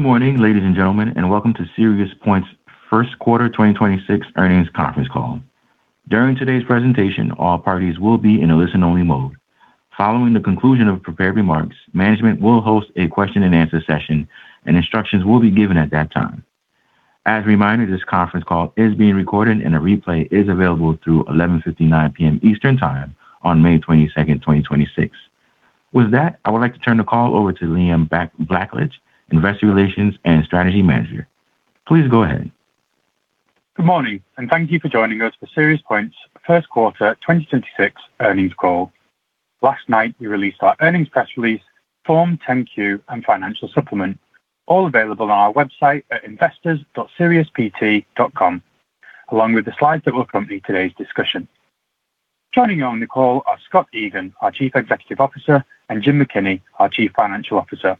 Good morning, ladies and gentlemen, welcome to SiriusPoint's first quarter 2026 earnings conference call. During today's presentation, all parties will be in a listen-only mode. Following the conclusion of prepared remarks, management will host a question and answer session, and instructions will be given at that time. As a reminder, this conference call is being recorded, and a replay is available through 11:59 P.M. Eastern Time on May 22nd, 2026. With that, I would like to turn the call over to Liam Blackledge, Investor Relations and Strategy Manager. Please go ahead. Good morning. Thank you for joining us for SiriusPoint's first quarter 2026 earnings call. Last night, we released our earnings press release, Form 10-Q, and financial supplement, all available on our website at investors.siriuspt.com, along with the slides that will accompany today's discussion. Joining you on the call are Scott Egan, our Chief Executive Officer, and Jim McKinney, our Chief Financial Officer.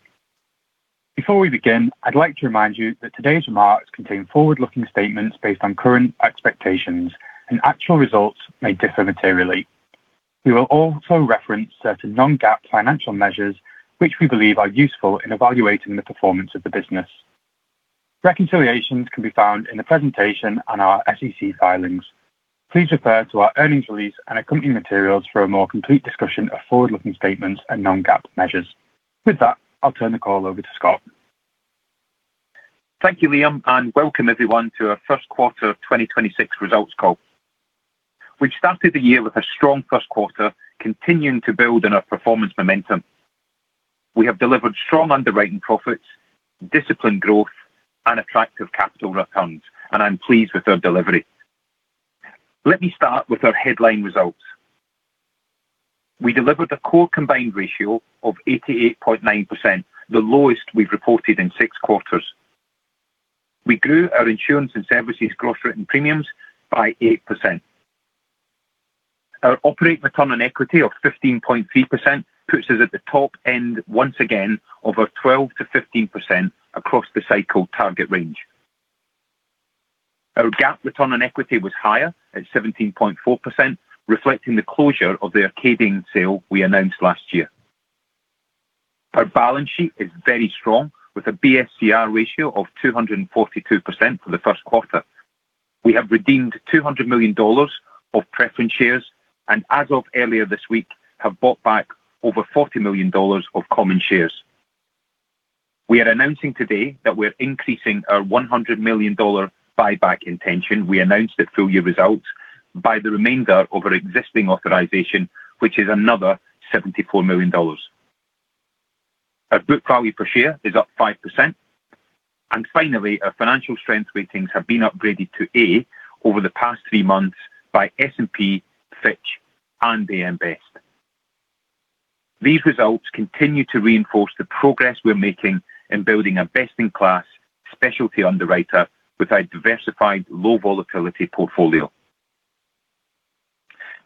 Before we begin, I'd like to remind you that today's remarks contain forward-looking statements based on current expectations, and actual results may differ materially. We will also reference certain non-GAAP financial measures which we believe are useful in evaluating the performance of the business. Reconciliations can be found in the presentation and our SEC filings. Please refer to our earnings release and accompanying materials for a more complete discussion of forward-looking statements and non-GAAP measures. With that, I'll turn the call over to Scott. Thank you, Liam, and welcome everyone to our first quarter of 2026 results call. We've started the year with a strong first quarter, continuing to build on our performance momentum. We have delivered strong underwriting profits, disciplined growth, and attractive capital returns, and I'm pleased with our delivery. Let me start with our headline results. We delivered a core combined ratio of 88.9%, the lowest we've reported in six quarters. We grew our insurance and services gross written premiums by 8%. Our operating return on equity of 15.3% puts us at the top end once again of our 12%-15% across the cycle target range. Our GAAP return on equity was higher at 17.4%, reflecting the closure of the Arcadian sale we announced last year. Our balance sheet is very strong with a BSCR ratio of 242% for the first quarter. We have redeemed $200 million of preference shares, and as of earlier this week, have bought back over $40 million of common shares. We are announcing today that we're increasing our $100 million buyback intention, we announced at full year results, by the remainder of our existing authorization, which is another $74 million. Our book value per share is up 5%. Finally, our financial strength ratings have been upgraded to A over the past three months by S&P, Fitch, and AM Best. These results continue to reinforce the progress we're making in building a best-in-class specialty underwriter with a diversified low volatility portfolio.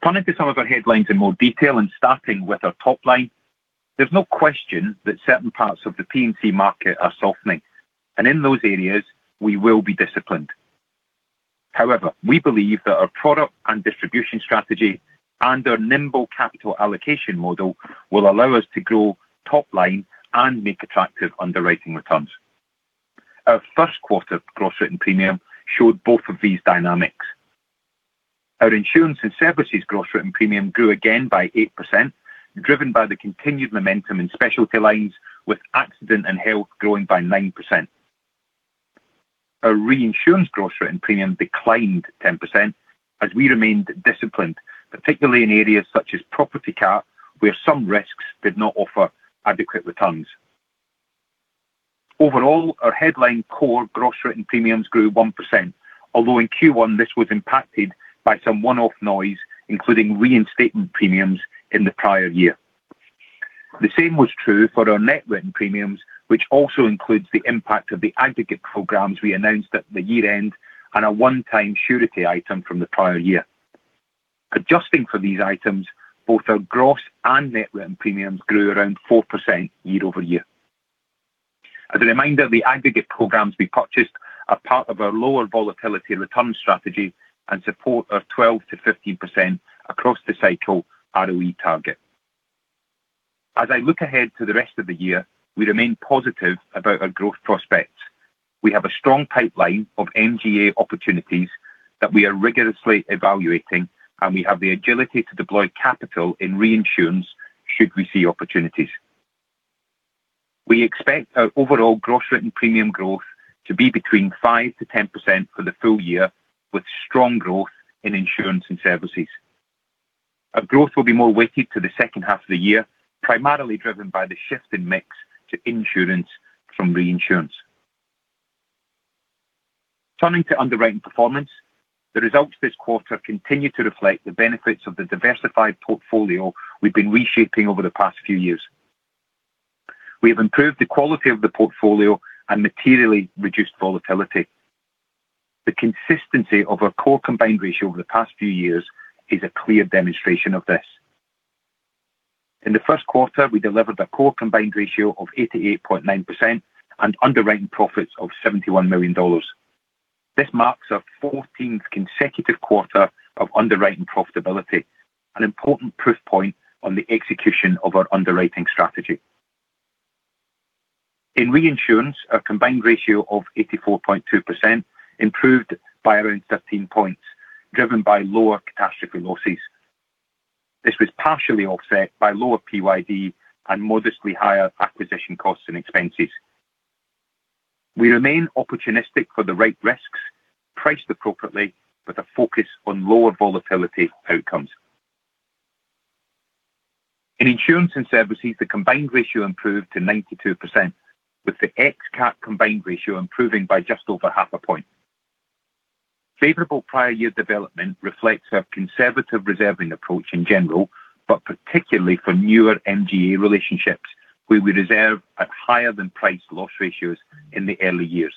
Turning to some of our headlines in more detail and starting with our top line, there's no question that certain parts of the P&C market are softening. In those areas, we will be disciplined. However, we believe that our product and distribution strategy and our nimble capital allocation model will allow us to grow top line and make attractive underwriting returns. Our first quarter gross written premium showed both of these dynamics. Our insurance and services gross written premium grew again by 8%, driven by the continued momentum in specialty lines with accident and health growing by 9%. Our reinsurance gross written premium declined 10% as we remained disciplined, particularly in areas such as property cat, where some risks did not offer adequate returns. Overall, our headline core gross written premiums grew 1%, although in Q1, this was impacted by some one-off noise, including reinstatement premiums in the prior year. The same was true for our net written premiums, which also includes the impact of the aggregate programs we announced at the year-end and a one-time surety item from the prior year. Adjusting for these items, both our gross and net written premiums grew around 4% year-over-year. As a reminder, the aggregate programs we purchased are part of our lower volatility return strategy and support our 12%-15% across the cycle ROE target. As I look ahead to the rest of the year, we remain positive about our growth prospects. We have a strong pipeline of MGA opportunities that we are rigorously evaluating, and we have the agility to deploy capital in reinsurance should we see opportunities. We expect our overall gross written premium growth to be between 5%-10% for the full year, with strong growth in insurance and services. Our growth will be more weighted to the second half of the year, primarily driven by the shift in mix to insurance from reinsurance. Turning to underwriting performance, the results this quarter continue to reflect the benefits of the diversified portfolio we've been reshaping over the past few years. We have improved the quality of the portfolio and materially reduced volatility. The consistency of our core combined ratio over the past few years is a clear demonstration of this. In the first quarter, we delivered a core combined ratio of 88.9% and underwriting profits of $71 million. This marks our 14th consecutive quarter of underwriting profitability, an important proof point on the execution of our underwriting strategy. In reinsurance, our combined ratio of 84.2% improved by around 13 points, driven by lower catastrophe losses. This was partially offset by lower PYD and modestly higher acquisition costs and expenses. We remain opportunistic for the right risks, priced appropriately with a focus on lower volatility outcomes. In insurance and services, the combined ratio improved to 92%, with the ex-CAT combined ratio improving by just over 0.5 point. Favorable prior year development reflects our conservative reserving approach in general, but particularly for newer MGA relationships, where we reserve at higher than priced loss ratios in the early years.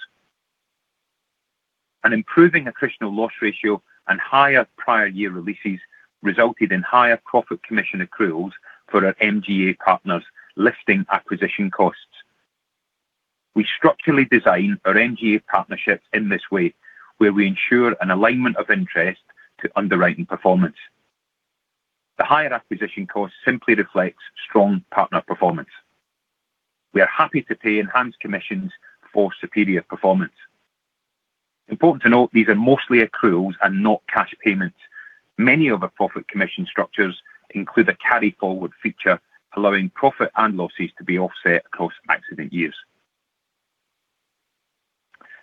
An improving attritional loss ratio and higher prior year releases resulted in higher profit commission accruals for our MGA partners, lifting acquisition costs. We structurally design our MGA partnerships in this way, where we ensure an alignment of interest to underwriting performance. The higher acquisition cost simply reflects strong partner performance. We are happy to pay enhanced commissions for superior performance. Important to note, these are mostly accruals and not cash payments. Many of our profit commission structures include a carry-forward feature, allowing profit and losses to be offset across accident years.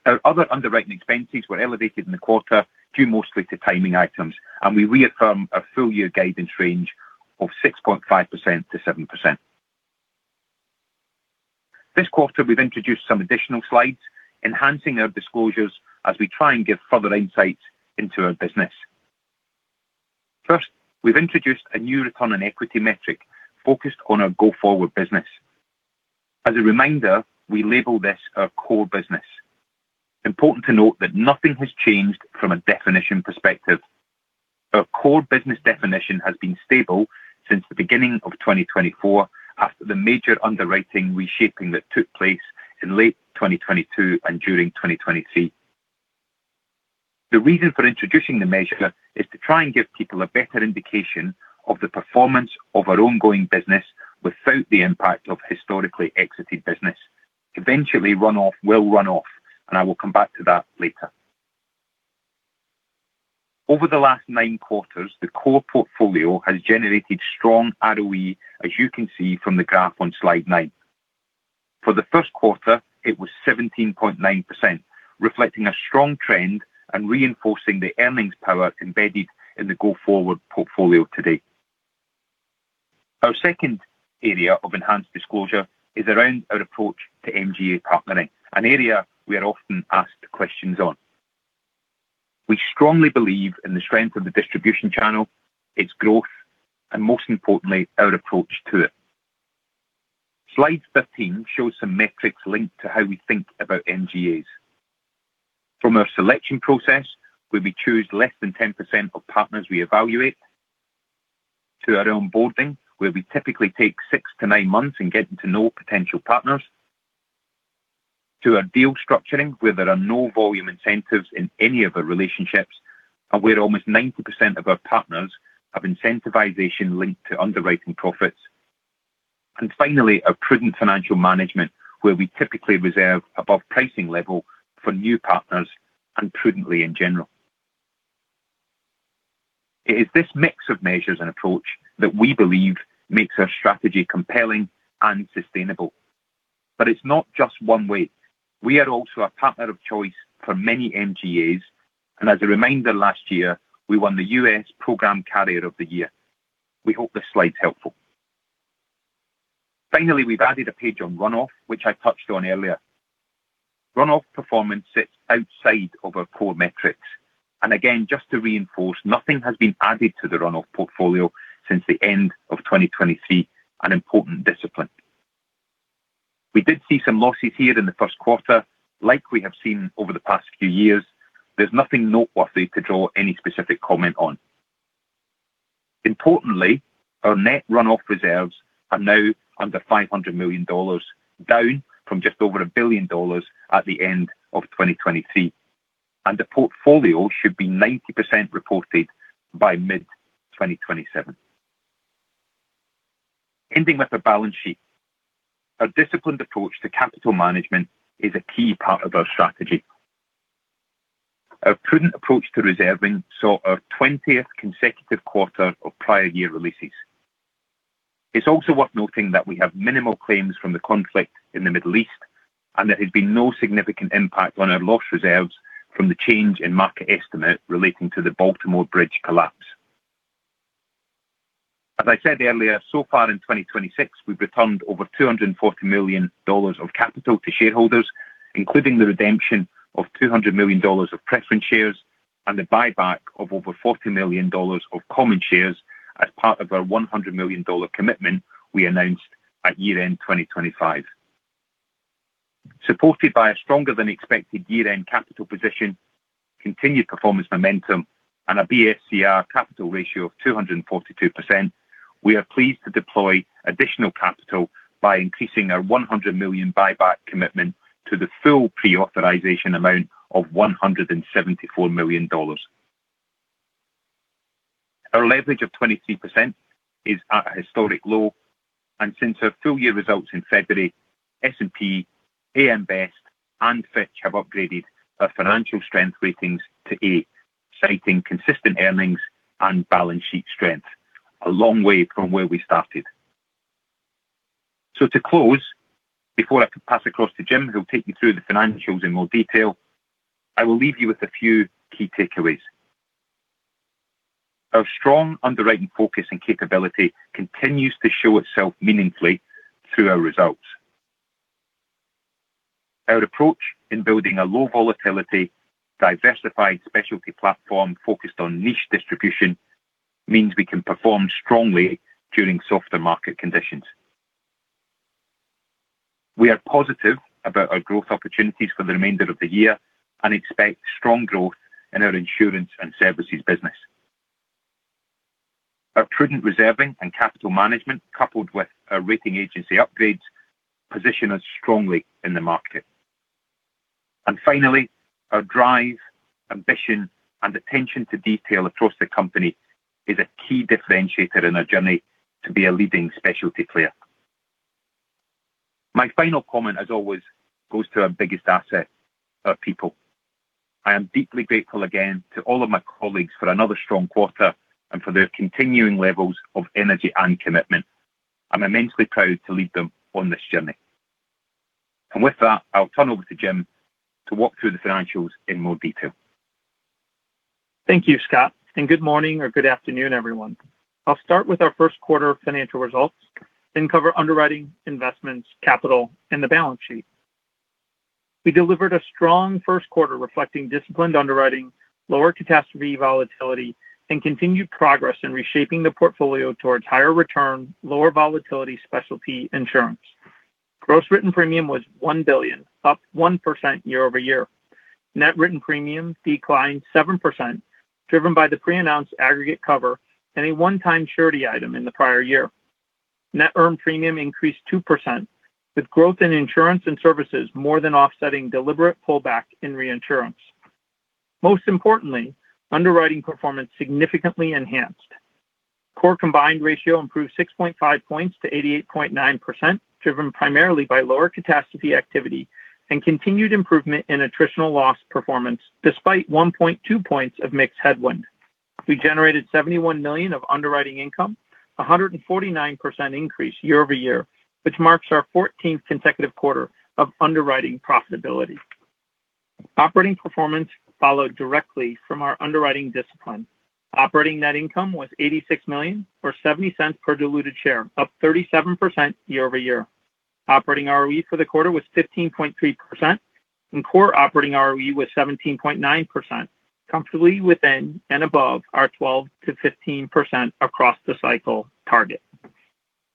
Our other underwriting expenses were elevated in the quarter due mostly to timing items, and we reaffirm our full-year guidance range of 6.5%-7%. This quarter, we've introduced some additional slides enhancing our disclosures as we try and give further insight into our business. First, we've introduced a new return on equity metric focused on our go-forward business. As a reminder, we label this our core business. Important to note that nothing has changed from a definition perspective. Our core business definition has been stable since the beginning of 2024 after the major underwriting reshaping that took place in late 2022 and during 2023. The reason for introducing the measure is to try and give people a better indication of the performance of our ongoing business without the impact of historically exited business. Eventually, run-off will run off, and I will come back to that later. Over the last nine quarters, the core portfolio has generated strong ROE, as you can see from the graph on slide 9. For the first quarter, it was 17.9%, reflecting a strong trend and reinforcing the earnings power embedded in the go-forward portfolio today. Our second area of enhanced disclosure is around our approach to MGA partnering, an area we are often asked questions on. We strongly believe in the strength of the distribution channel, its growth, and most importantly, our approach to it. Slide 15 shows some metrics linked to how we think about MGAs. From our selection process, where we choose less than 10% of partners we evaluate, to our onboarding, where we typically take six to nine months in getting to know potential partners, to our deal structuring, where there are no volume incentives in any of our relationships and where almost 90% of our partners have incentivization linked to underwriting profits. Finally, our prudent financial management, where we typically reserve above pricing level for new partners and prudently in general. It is this mix of measures and approach that we believe makes our strategy compelling and sustainable. It's not just one way. We are also a partner of choice for many MGAs, and as a reminder, last year we won the US Program Carrier of the Year. We hope this slide's helpful. Finally, we've added a page on run-off, which I touched on earlier. Run-off performance sits outside of our core metrics. Again, just to reinforce, nothing has been added to the run-off portfolio since the end of 2023, an important discipline. We did see some losses here in the first quarter, like we have seen over the past few years. There's nothing noteworthy to draw any specific comment on. Importantly, our net run-off reserves are now under $500 million, down from just over $1 billion at the end of 2023, and the portfolio should be 90% reported by mid-2027. Ending with our balance sheet. Our disciplined approach to capital management is a key part of our strategy. Our prudent approach to reserving saw our 20th consecutive quarter of prior year releases. It's also worth noting that we have minimal claims from the conflict in the Middle East, and there has been no significant impact on our loss reserves from the change in market estimate relating to the Baltimore Bridge collapse. As I said earlier, so far in 2026, we've returned over $240 million of capital to shareholders, including the redemption of $200 million of preference shares and the buyback of over $40 million of common shares as part of our $100 million commitment we announced at year-end 2025. Supported by a stronger-than-expected year-end capital position, continued performance momentum, and a BSCR capital ratio of 242%. We are pleased to deploy additional capital by increasing our $100 million buyback commitment to the full pre-authorization amount of $174 million. Our leverage of 23% is at a historic low, and since our full year results in February, S&P, AM Best, and Fitch have upgraded our financial strength ratings to A, citing consistent earnings and balance sheet strength, a long way from where we started. To close, before I pass across to Jim, who will take you through the financials in more detail, I will leave you with a few key takeaways. Our strong underwriting focus and capability continues to show itself meaningfully through our results. Our approach in building a low volatility, diversified specialty platform focused on niche distribution means we can perform strongly during softer market conditions. We are positive about our growth opportunities for the remainder of the year and expect strong growth in our insurance and services business. Our prudent reserving and capital management, coupled with our rating agency upgrades, position us strongly in the market. Finally, our drive, ambition, and attention to detail across the company is a key differentiator in our journey to be a leading specialty player. My final comment, as always, goes to our biggest asset, our people. I am deeply grateful again to all of my colleagues for another strong quarter and for their continuing levels of energy and commitment. I'm immensely proud to lead them on this journey. With that, I'll turn over to Jim to walk through the financials in more detail. Thank you, Scott, and good morning or good afternoon, everyone. I'll start with our first quarter financial results, then cover underwriting, investments, capital, and the balance sheet. We delivered a strong first quarter reflecting disciplined underwriting, lower catastrophe volatility, and continued progress in reshaping the portfolio towards higher return, lower volatility specialty insurance. Gross written premium was $1 billion, up 1% year-over-year. Net written premium declined 7%, driven by the pre-announced aggregate cover and a one-time surety item in the prior year. Net earned premium increased 2%, with growth in insurance and services more than offsetting deliberate pullback in reinsurance. Most importantly, underwriting performance significantly enhanced. Core combined ratio improved 6.5 points to 88.9%, driven primarily by lower catastrophe activity and continued improvement in attritional loss performance despite 1.2 points of mix headwind. We generated $71 million of underwriting income, a 149% increase year-over-year, which marks our 14th consecutive quarter of underwriting profitability. Operating performance followed directly from our underwriting discipline. Operating net income was $86 million or $0.70 per diluted share, up 37% year-over-year. Operating ROE for the quarter was 15.3% and core operating ROE was 17.9%, comfortably within and above our 12%-15% across the cycle target.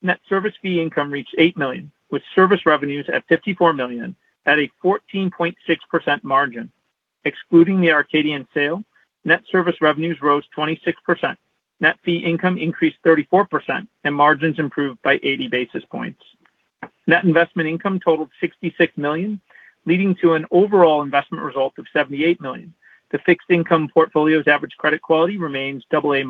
Net service fee income reached $8 million, with service revenues at $54 million at a 14.6% margin. Excluding the Arcadian sale, net service revenues rose 26%. Net fee income increased 34% and margins improved by 80 basis points. Net investment income totaled $66 million, leading to an overall investment result of $78 million. The fixed income portfolio's average credit quality remains AA-.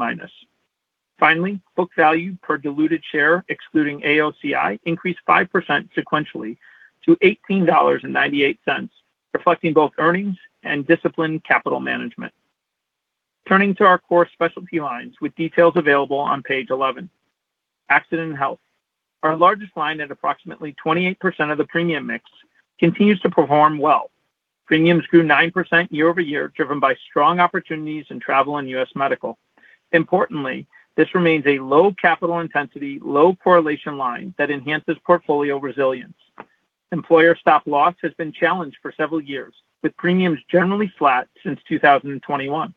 Book value per diluted share, excluding AOCI, increased 5% sequentially to $18.98, reflecting both earnings and disciplined capital management. Turning to our core specialty lines with details available on page 11. A&H. Our largest line at approximately 28% of the premium mix continues to perform well. Premiums grew 9% year-over-year, driven by strong opportunities in travel and U.S. medical. Importantly, this remains a low capital intensity, low correlation line that enhances portfolio resilience. Employer stop-loss has been challenged for several years, with premiums generally flat since 2021.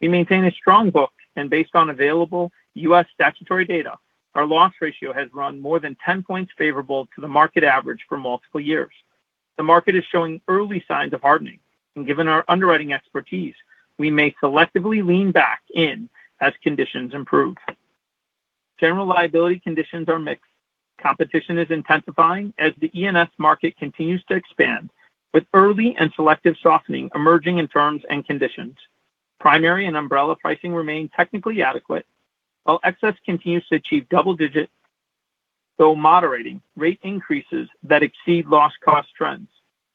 We maintain a strong book and based on available U.S. statutory data, our loss ratio has run more than 10 points favorable to the market average for multiple years. The market is showing early signs of hardening, and given our underwriting expertise, we may selectively lean back in as conditions improve. General liability conditions are mixed. Competition is intensifying as the E&S market continues to expand, with early and selective softening emerging in terms and conditions. Primary and umbrella pricing remain technically adequate, while excess continues to achieve double-digit, though moderating rate increases that exceed loss cost trends.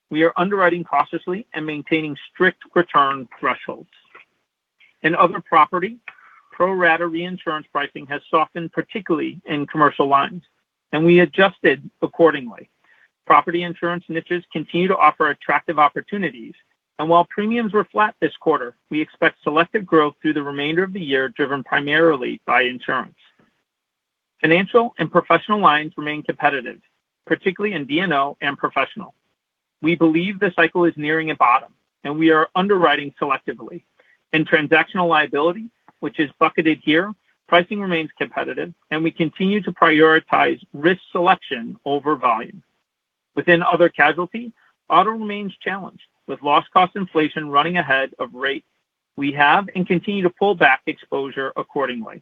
We are underwriting cautiously and maintaining strict return thresholds. In other property, pro-rata reinsurance pricing has softened, particularly in commercial lines, and we adjusted accordingly. Property insurance niches continue to offer attractive opportunities. While premiums were flat this quarter, we expect selective growth through the remainder of the year, driven primarily by insurance. Financial and professional lines remain competitive, particularly in D&O and professional. We believe the cycle is nearing a bottom and we are underwriting selectively. In transactional liability, which is bucketed here, pricing remains competitive and we continue to prioritize risk selection over volume. Within other casualty, auto remains challenged with loss cost inflation running ahead of rate. We have and continue to pull back exposure accordingly.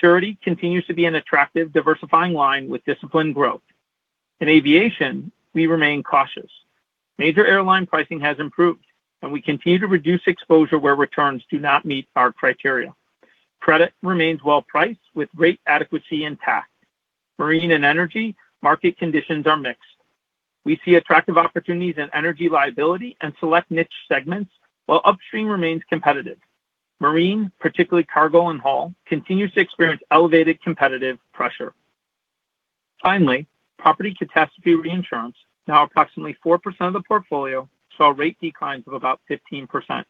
Surety continues to be an attractive diversifying line with disciplined growth. In aviation, we remain cautious. Major airline pricing has improved, and we continue to reduce exposure where returns do not meet our criteria. Credit remains well-priced with great adequacy intact. Marine and energy market conditions are mixed. We see attractive opportunities in energy liability and select niche segments, while upstream remains competitive. Marine, particularly cargo and haul, continues to experience elevated competitive pressure. Finally, property catastrophe reinsurance, now approximately 4% of the portfolio, saw rate declines of about 15%.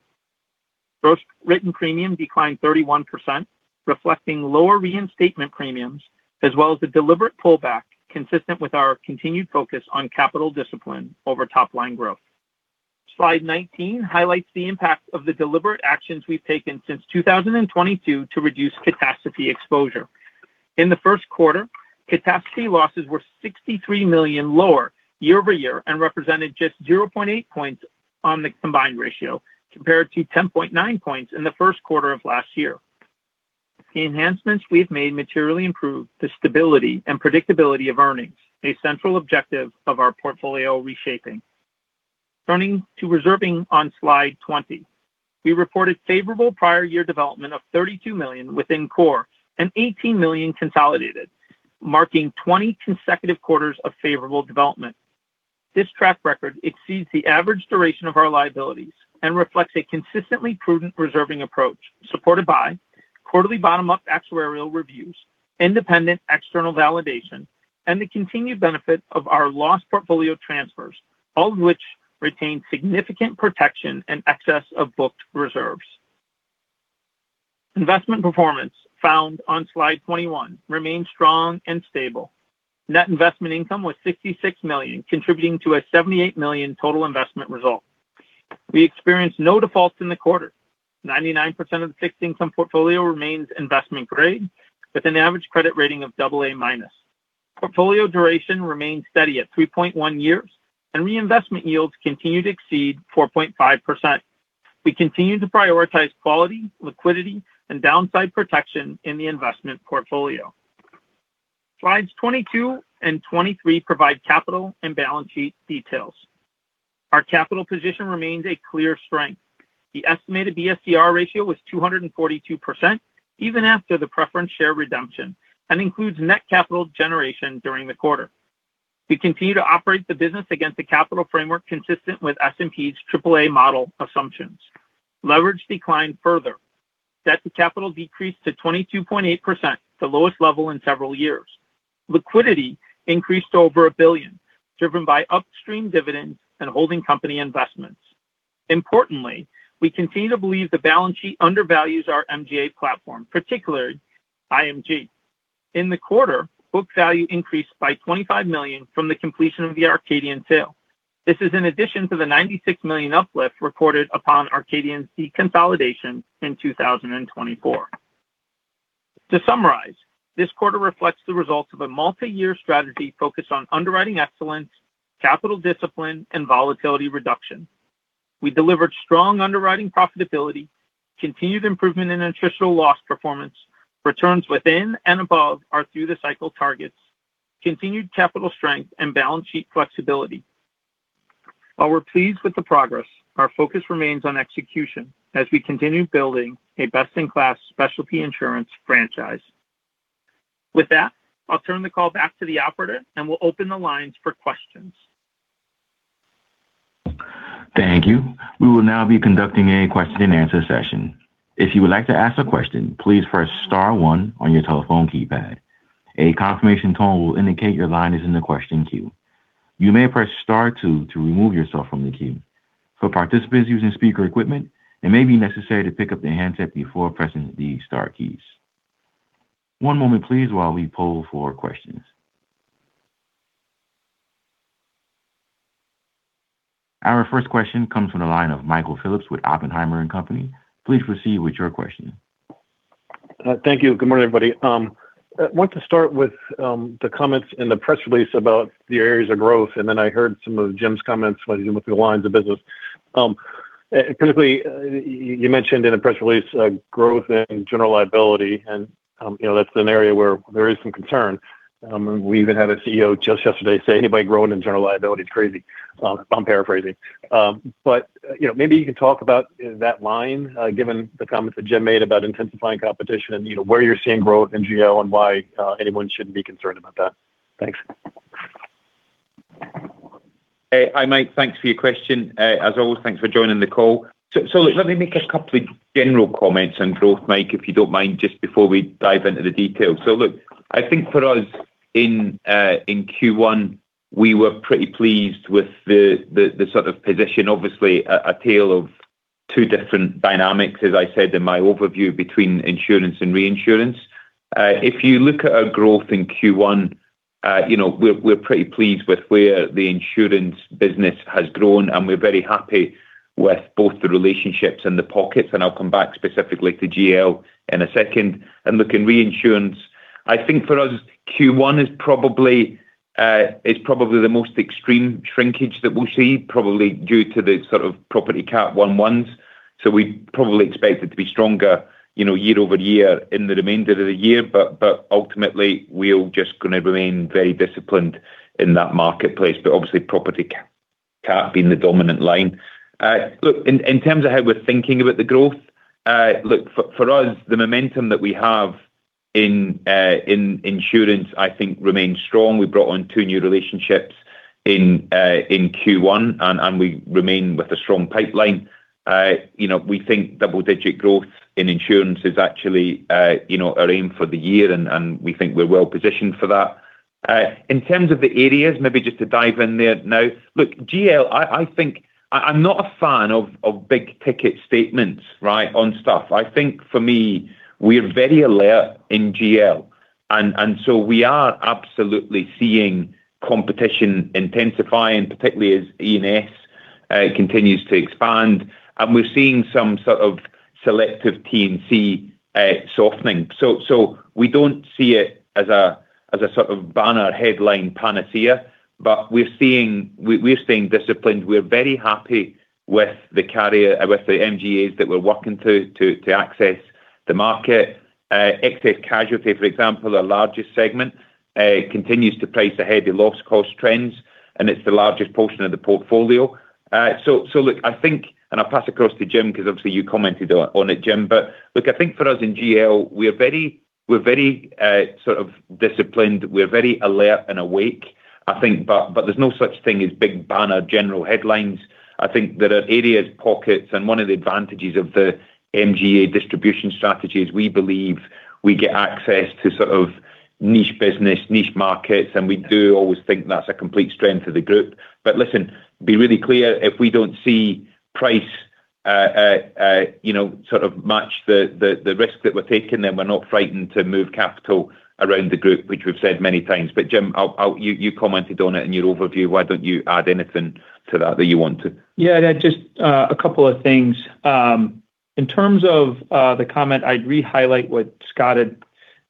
Gross written premium declined 31%, reflecting lower reinstatement premiums, as well as a deliberate pullback consistent with our continued focus on capital discipline over top line growth. Slide 19 highlights the impact of the deliberate actions we've taken since 2022 to reduce catastrophe exposure. In the first quarter, catastrophe losses were $63 million lower year-over-year and represented just 0.8 points on the combined ratio, compared to 10.9 points in the first quarter of last year. The enhancements we've made materially improve the stability and predictability of earnings, a central objective of our portfolio reshaping. Turning to reserving on slide 20. We reported favorable prior year development of $32 million within core and $18 million consolidated, marking 20 consecutive quarters of favorable development. This track record exceeds the average duration of our liabilities and reflects a consistently prudent reserving approach supported by quarterly bottom-up actuarial reviews, independent external validation, and the continued benefit of our Loss Portfolio Transfers, all of which retain significant protection and excess of booked reserves. Investment performance, found on slide 21, remains strong and stable. Net investment income was $66 million, contributing to a $78 million total investment result. We experienced no defaults in the quarter. 99% of the fixed income portfolio remains investment grade with an average credit rating of double A minus. Portfolio duration remains steady at 3.1 years, and reinvestment yields continue to exceed 4.5%. We continue to prioritize quality, liquidity, and downside protection in the investment portfolio. Slides 22 and 23 provide capital and balance sheet details. Our capital position remains a clear strength. The estimated BSCR ratio was 242%, even after the preference share redemption, and includes net capital generation during the quarter. We continue to operate the business against a capital framework consistent with S&P's triple-A model assumptions. Leverage declined further. Debt to capital decreased to 22.8%, the lowest level in several years. Liquidity increased to over $1 billion, driven by upstream dividends and holding company investments. Importantly, we continue to believe the balance sheet undervalues our MGA platform, particularly IMG. In the quarter, book value increased by $25 million from the completion of the Arcadian sale. This is in addition to the $96 million uplift recorded upon Arcadian's deconsolidation in 2024. To summarize, this quarter reflects the results of a multi-year strategy focused on underwriting excellence, capital discipline, and volatility reduction. We delivered strong underwriting profitability, continued improvement in attritional loss performance, returns within and above our through-the-cycle targets, continued capital strength, and balance sheet flexibility. While we're pleased with the progress, our focus remains on execution as we continue building a best-in-class specialty insurance franchise. With that, I'll turn the call back to the operator, and we'll open the lines for questions. Thank you. We will now be conducting a question and answer session. If you would like to ask a question, please press star one on your telephone keypad. A confirmation tone will indicate your line is in the question queue. You may press star two to remove yourself from the queue. For participants using speaker equipment, it may be necessary to pick up the handset before pressing the star keys. One moment, please, while we poll for questions. Our first question comes from the line of Michael Phillips with Oppenheimer & Co. Inc. Please proceed with your question. Thank you. Good morning, everybody. I want to start with the comments in the press release about the areas of growth. Then I heard some of Jim's comments when you went through the lines of business. Specifically, you mentioned in the press release growth in general liability, and you know, that's an area where there is some concern. We even had a CEO just yesterday say anybody growing in general liability is crazy. I'm paraphrasing. You know, maybe you can talk about that line, given the comments that Jim made about intensifying competition, and you know, where you're seeing growth in GL and why anyone shouldn't be concerned about that. Thanks. Hey. Hi, Mike. Thanks for your question. As always, thanks for joining the call. Look, let me make a couple of general comments on growth, Mike, if you don't mind, just before we dive into the details. Look, I think for us in Q1, we were pretty pleased with the sort of position. Obviously a tale of two different dynamics, as I said in my overview, between insurance and reinsurance. If you look at our growth in Q1, you know, we're pretty pleased with where the insurance business has grown, and we're very happy with both the relationships and the pockets, and I'll come back specifically to GL in a second. Look, in reinsurance, I think for us, Q1 is probably the most extreme shrinkage that we'll see, probably due to the sort of property cat 1/1s. We probably expect it to be stronger, you know, year-over-year in the remainder of the year. Ultimately, we're just gonna remain very disciplined in that marketplace. Obviously, property cat being the dominant line. Look, in terms of how we're thinking about the growth, look, for us, the momentum that we have in insurance, I think remains strong. We brought on two new relationships in Q1 and we remain with a strong pipeline. You know, we think double-digit growth in insurance is actually, you know, our aim for the year and we think we're well-positioned for that. In terms of the areas, maybe just to dive in there now. Look, GL, I think I'm not a fan of big ticket statements, right, on stuff. I think for me, we're very alert in GL and so we are absolutely seeing competition intensifying, particularly as E&S continues to expand. We're seeing some sort of selective T&C softening. We don't see it as a, as a sort of banner headline panacea, but we're seeing we're staying disciplined. We're very happy with the carrier, with the MGAs that we're working to access the market. Excess casualty, for example, our largest segment, continues to place ahead the loss cost trends, and it's the largest portion of the portfolio. Look, I think, and I'll pass across to Jim 'cause obviously you commented on it, Jim. Look, I think for us in GL, we're very sort of disciplined. We're very alert and awake, I think. There's no such thing as big banner general headlines. I think there are areas, pockets, and one of the advantages of the MGA distribution strategy is we believe we get access to sort of niche business, niche markets, and we do always think that's a complete strength of the group. Listen, be really clear, if we don't see price, you know, sort of match the, the risk that we're taking, then we're not frightened to move capital around the group, which we've said many times. Jim, I'll you commented on it in your overview. Why don't you add anything to that that you want to? Just a couple of things. In terms of the comment, I'd re-highlight what Scott had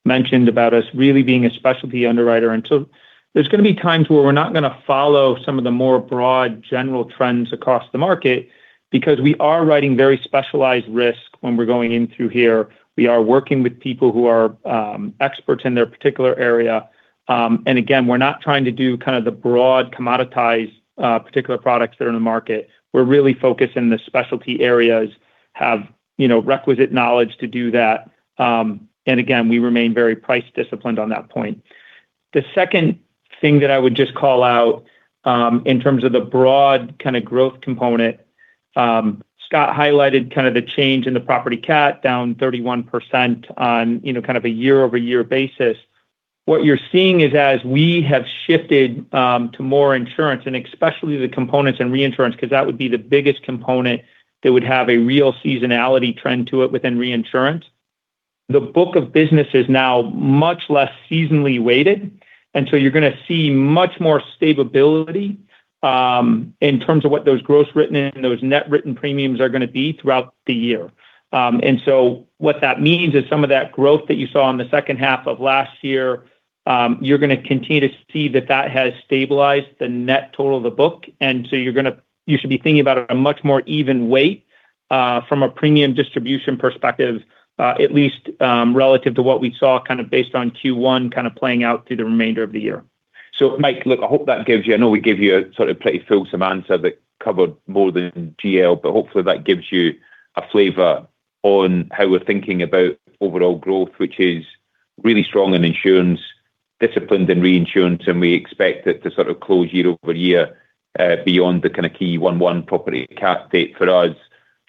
mentioned about us really being a specialty underwriter. So there's going to be times where we're not going to follow some of the more broad general trends across the market because we are writing very specialized risk when we're going in through here. We are working with people who are experts in their particular area. Again, we're not trying to do kind of the broad commoditized particular products that are in the market. We're really focused in the specialty areas, have, you know, requisite knowledge to do that. Again, we remain very price disciplined on that point. The second thing that I would just call out, in terms of the broad kind of growth component, Scott highlighted kind of the change in the property cat down 31% on, you know, kind of a year-over-year basis. What you're seeing is as we have shifted, to more insurance, and especially the components in reinsurance, 'cause that would be the biggest component that would have a real seasonality trend to it within reinsurance. The book of business is now much less seasonally weighted, and so you're gonna see much more stability, in terms of what those gross written and those net written premiums are gonna be throughout the year. What that means is some of that growth that you saw in the second half of last year, you're gonna continue to see that that has stabilized the net total of the book. You should be thinking about a much more even weight from a premium distribution perspective, at least relative to what we saw kind of based on Q1 kind of playing out through the remainder of the year. Mike, look, I hope that gives you I know we give you a sort of pretty fulsome answer that covered more than GL, but hopefully that gives you a flavor on how we're thinking about overall growth, which is really strong in insurance, disciplined in reinsurance, and we expect it to sort of close year-over-year beyond the kind of key 1/1 property cat date for us.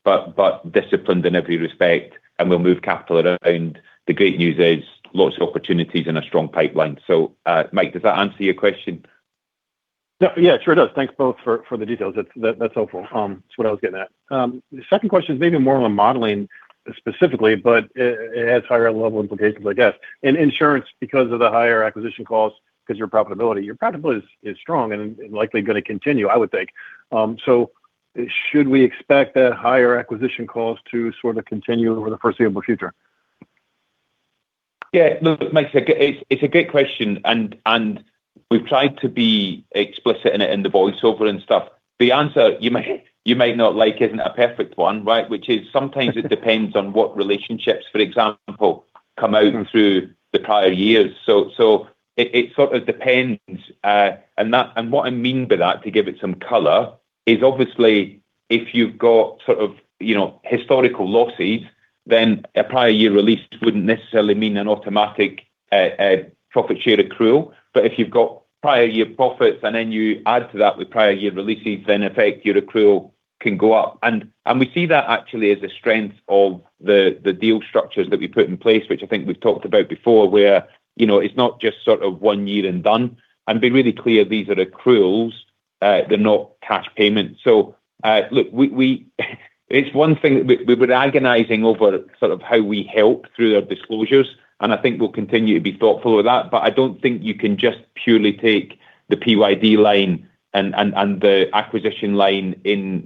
But disciplined in every respect and we'll move capital around. The great news is lots of opportunities and a strong pipeline. Mike, does that answer your question? Yeah, sure does. Thanks both for the details. That's helpful. That's what I was getting at. The second question is maybe more on the modeling specifically, but it has higher level implications, I guess. In insurance because of the higher acquisition costs, 'cause your profitability. Your profitability is strong and likely gonna continue, I would think. Should we expect that higher acquisition cost to sort of continue over the foreseeable future? Yeah. Look, Mike, it's a great question and we've tried to be explicit in it in the voiceover and stuff. The answer you may, you may not like isn't a perfect one, right? Which is sometimes it depends on what relationships, for example, come out through the prior years. It sort of depends. That and what I mean by that, to give it some color, is obviously if you've got sort of, you know, historical losses, then a prior year release wouldn't necessarily mean an automatic profit share accrual. If you've got prior year profits and then you add to that with prior year releases, then in effect, your accrual can go up. We see that actually as a strength of the deal structures that we put in place, which I think we've talked about before, where, you know, it's not just sort of one year and done. Be really clear, these are accruals, they're not cash payments. It's one thing that we've been agonizing over sort of how we help through their disclosures, and I think we'll continue to be thoughtful with that. I don't think you can just purely take the PYD line and the acquisition line in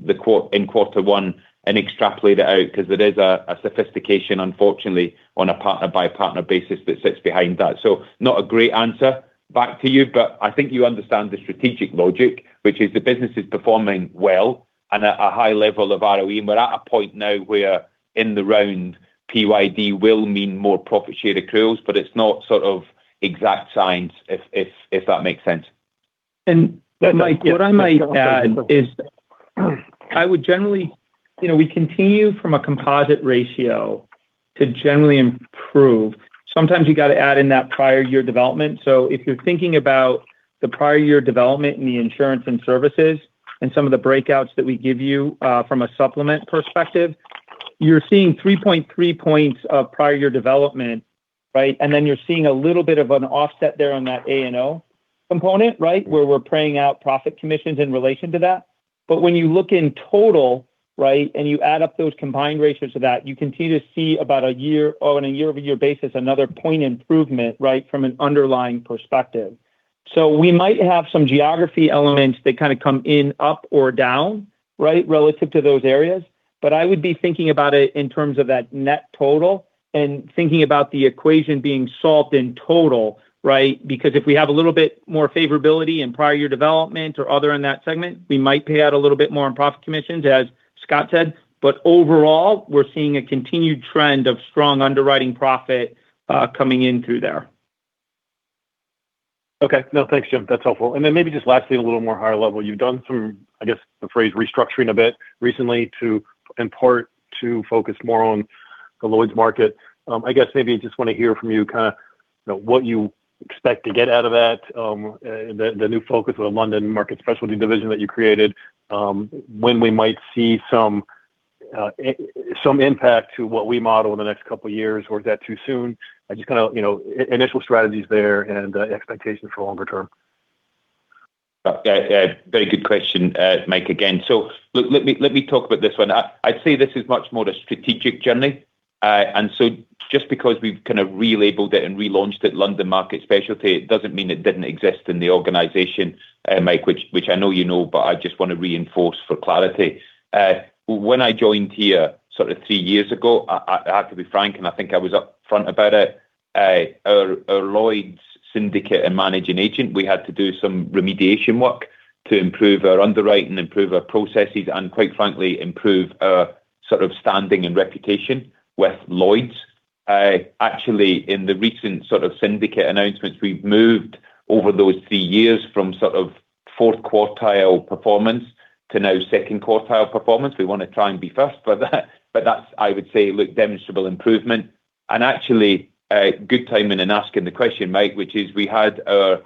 quarter one and extrapolate it out 'cause there is a sophistication unfortunately on a partner by partner basis that sits behind that. Not a great answer back to you, but I think you understand the strategic logic, which is the business is performing well and at a high level of ROE. We're at a point now where in the round PYD will mean more profit share accruals. It's not sort of exact science if that makes sense. Mike, what I might add is I would generally, you know, we continue from a composite ratio to generally improve. Sometimes you got to add in that prior year development. If you're thinking about the prior year development in the insurance and services and some of the breakouts that we give you from a supplement perspective, you're seeing 3.3 points of prior year development, right? Then you're seeing a little bit of an offset there on that A&O component, right? Where we're paying out profit commissions in relation to that. When you look in total, right, and you add up those combined ratios to that, you continue to see about a year on a year-over-year basis, another 1 point improvement, right, from an underlying perspective. We might have some geography elements that kind of come in up or down, right, relative to those areas. I would be thinking about it in terms of that net total and thinking about the equation being solved in total, right? Because if we have a little bit more favorability in prior year development or other in that segment, we might pay out a little bit more in profit commissions, as Scott said. Overall, we're seeing a continued trend of strong underwriting profit coming in through there. Okay. No, thanks, Jim. That's helpful. Then maybe just lastly, a little more higher level. You've done some, I guess the phrase restructuring a bit recently to, in part to focus more on the Lloyd's market. I guess maybe just want to hear from you kind of, you know, what you expect to get out of that, the new focus of the London Market Specialty division that you created, when we might see some impact to what we model in the next couple of years, or is that too soon, you know, initial strategies there and expectations for longer term? Very good question, Mike, again. Look, let me talk about this one. I see this as much more a strategic journey. Just because we've kind of relabeled it and relaunched it London Market Specialty, it doesn't mean it didn't exist in the organization, Mike, which I know you know, but I just want to reinforce for clarity. When I joined here sort of three years ago, I have to be frank, and I think I was upfront about it. Our Lloyd's syndicate and managing agent, we had to do some remediation work to improve our underwriting, improve our processes, and quite frankly, improve our sort of standing and reputation with Lloyd's. Actually, in the recent sort of syndicate announcements, we've moved over those three years from sort of fourth quartile performance to now second quartile performance. We want to try and be first for that, but that's, I would say, look, demonstrable improvement. Actually, good timing in asking the question, Mike, which is we had our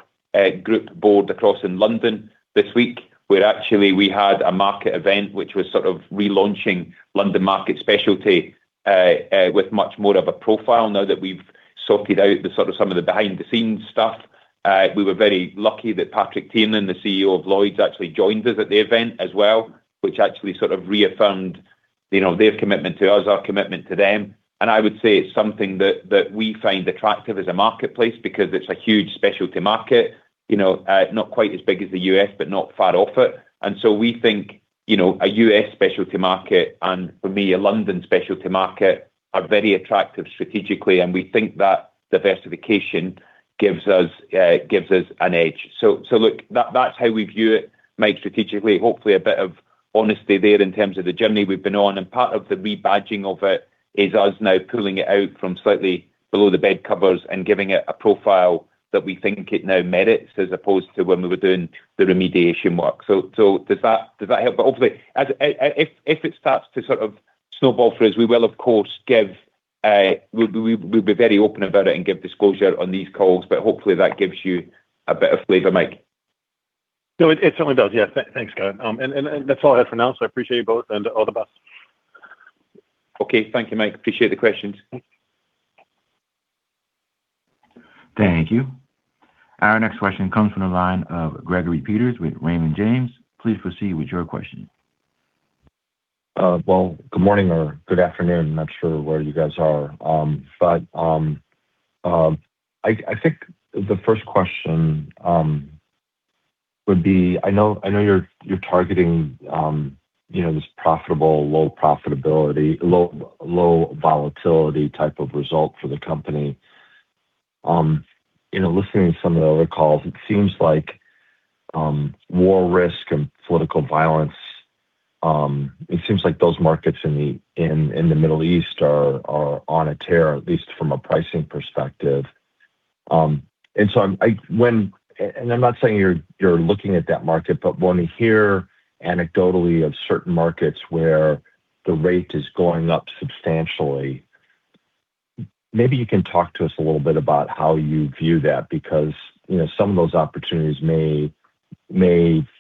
group board across in London this week, where actually we had a market event which was sort of relaunching London Market Specialty with much more of a profile now that we've sorted out the sort of some of the behind-the-scenes stuff. We were very lucky that Patrick Tiernan, the CEO of Lloyd's, actually joined us at the event as well, which actually sort of reaffirmed, you know, their commitment to us, our commitment to them. I would say it's something that we find attractive as a marketplace because it's a huge specialty market. You know, not quite as big as the U.S., but not far off it. We think, you know, a U.S. specialty market and for me, a London Specialty Market, are very attractive strategically, and we think that diversification gives us an edge. Look, that's how we view it, Michael, strategically. Hopefully a bit of honesty there in terms of the journey we've been on. Part of the rebadging of it is us now pulling it out from slightly below the bed covers and giving it a profile that we think it now merits as opposed to when we were doing the remediation work. Does that help? Hopefully, as if it starts to sort of snowball for us, we will of course give, we'll be very open about it and give disclosure on these calls. Hopefully that gives you a better flavor, Mike. No, it certainly does. Yeah. Thanks, guys. That's all I have for now, so I appreciate you both and all the best. Okay. Thank you, Mike. Appreciate the questions. Thank you. Our next question comes from the line of Gregory Peters with Raymond James. Please proceed with your question. Well, good morning or good afternoon. I'm not sure where you guys are. I think the first question would be, I know you're targeting, you know, this profitable, low profitability, low volatility type of result for the company. You know, listening to some of the other calls, it seems like war risk and political violence, it seems like those markets in the Middle East are on a tear, at least from a pricing perspective. I'm not saying you're looking at that market, but when we hear anecdotally of certain markets where the rate is going up substantially, maybe you can talk to us a little bit about how you view that because, you know, some of those opportunities may,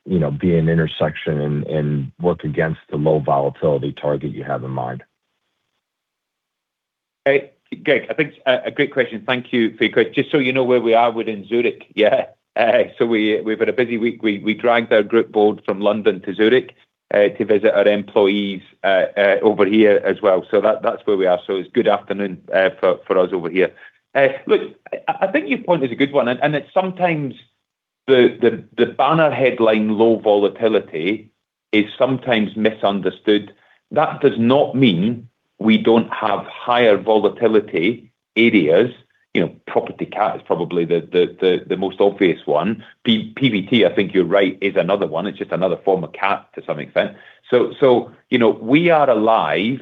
you know, be an intersection and work against the low volatility target you have in mind. Hey, Greg, I think it's a great question. Thank you for your question. Just so you know where we are, we're in Zurich. Yeah. We've had a busy week. We dragged our group board from London to Zurich to visit our employees over here as well. That's where we are. It's good afternoon for us over here. Look, I think your point is a good one and it's sometimes the banner headline, low volatility is sometimes misunderstood. That does not mean we don't have higher volatility areas. You know, property cat is probably the most obvious one. PBT, I think you're right, is another one. It's just another form of cat to some extent. You know, we are alive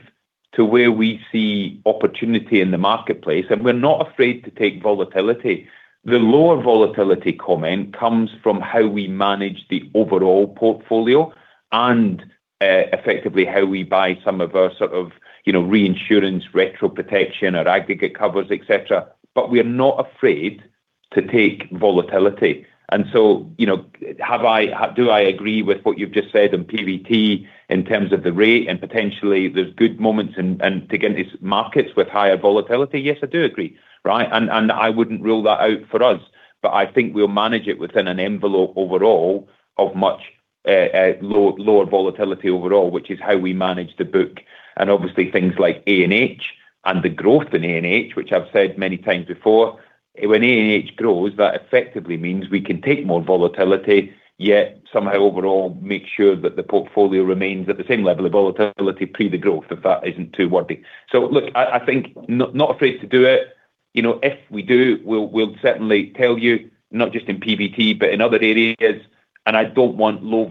to where we see opportunity in the marketplace, and we're not afraid to take volatility. The lower volatility comment comes from how we manage the overall portfolio and effectively how we buy some of our sort of, you know, reinsurance, retro protection or aggregate covers, et cetera. We are not afraid to take volatility. You know, do I agree with what you've just said on PBT in terms of the rate and potentially there's good moments to get into markets with higher volatility? Yes, I do agree, right? I wouldn't rule that out for us. I think we'll manage it within an envelope overall of much lower volatility overall, which is how we manage the book. Obviously things like A&H and the growth in A&H, which I've said many times before, when A&H grows, that effectively means we can take more volatility, yet somehow overall make sure that the portfolio remains at the same level of volatility pre the growth, if that isn't too wordy. Look, I think not afraid to do it. You know, if we do, we'll certainly tell you, not just in PBT, but in other areas. I don't want lower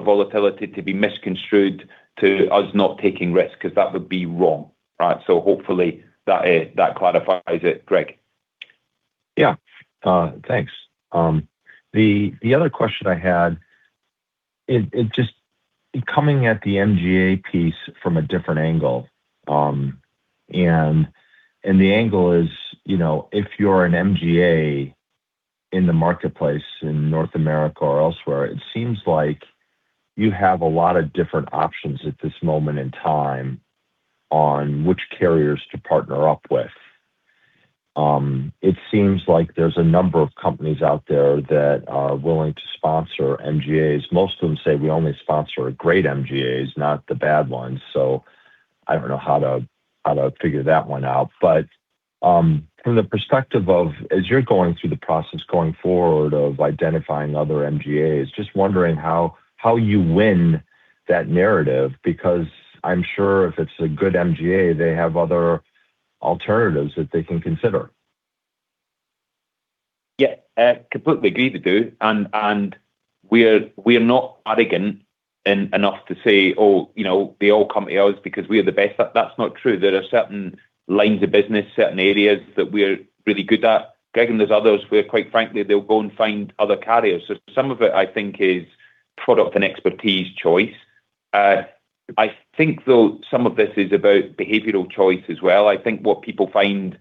volatility to be misconstrued to us not taking risks, 'cause that would be wrong, right? Hopefully that clarifies it, Greg. Yeah. Thanks. The other question I had is just coming at the MGA piece from a different angle. The angle is, you know, if you're an MGA in the marketplace in North America or elsewhere, it seems like you have a lot of different options at this moment in time on which carriers to partner up with. It seems like there's a number of companies out there that are willing to sponsor MGAs. Most of them say we only sponsor great MGAs, not the bad ones. I don't know how to figure that one out. From the perspective of as you're going through the process going forward of identifying other MGAs, just wondering how you win that narrative, because I'm sure if it's a good MGA, they have other alternatives that they can consider. Yeah. Completely agree with you. We're not arrogant enough to say, "Oh, you know, they all come to us because we are the best." That's not true. There are certain lines of business, certain areas that we're really good at, Gregory, and there's others where quite frankly, they'll go and find other carriers. Some of it, I think, is product and expertise choice. I think though some of this is about behavioral choice as well. I think what people find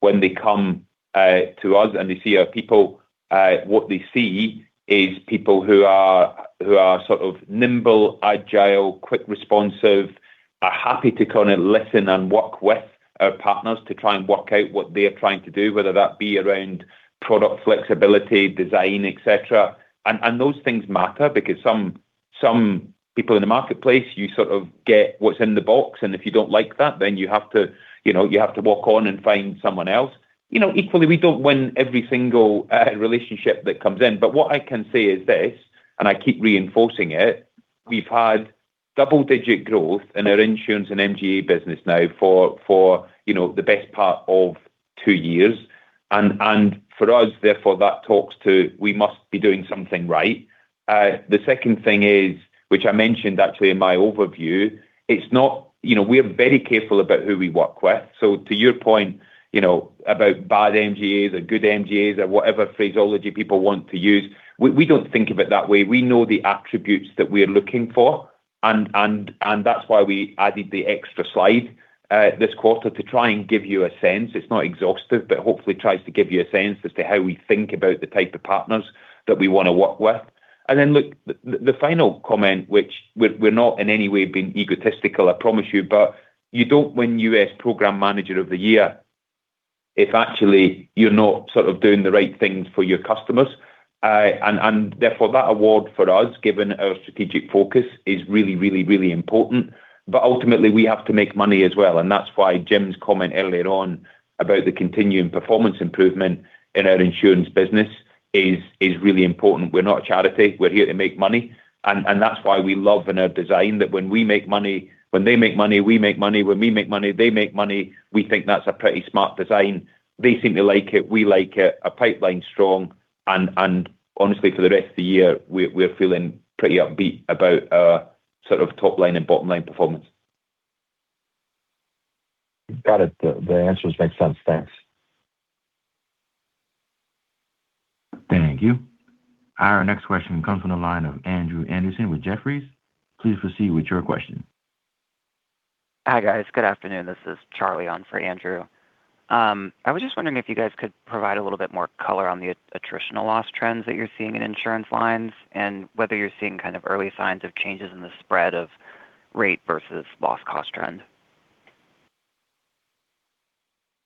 when they come to us and they see our people, what they see is people who are sort of nimble, agile, quick responsive, are happy to kind of listen and work with our partners to try and work out what they're trying to do, whether that be around product flexibility, design, et cetera. Those things matter because some people in the marketplace, you sort of get what's in the box, and if you don't like that, then you have to, you know, you have to walk on and find someone else. You know, equally, we don't win every single relationship that comes in. What I can say is this, and I keep reinforcing it, we've had double-digit growth in our insurance and MGA business now for, you know, the best part of two years. For us, therefore, that talks to we must be doing something right. The second thing is, which I mentioned actually in my overview, you know, we're very careful about who we work with. To your point, you know, about bad MGAs or good MGAs or whatever phraseology people want to use, we don't think of it that way. We know the attributes that we're looking for and that's why we added the extra slide this quarter to try and give you a sense. It's not exhaustive, but hopefully tries to give you a sense as to how we think about the type of partners that we wanna work with. Then look, the final comment, which we're not in any way being egotistical, I promise you, but you don't win US Program Manager of the Year if actually you're not sort of doing the right things for your customers. Therefore that award for us, given our strategic focus, is really important. Ultimately, we have to make money as well, and that's why Jim's comment earlier on about the continuing performance improvement in our insurance business is really important. We're not a charity. We're here to make money. That's why we love in our design that when we make money, when they make money, we make money. When we make money, they make money. We think that's a pretty smart design. They seem to like it. We like it. Our pipeline's strong. Honestly, for the rest of the year, we're feeling pretty upbeat about our sort of top line and bottom line performance. Got it. The answers make sense. Thanks. Thank you. Our next question comes from the line of Andrew Andersen with Jefferies. Please proceed with your question. Hi, guys. Good afternoon. This is Charlie on for Andrew. I was just wondering if you guys could provide a little bit more color on the attritional loss trends that you're seeing in insurance lines, and whether you're seeing kind of early signs of changes in the spread of rate versus loss cost trend.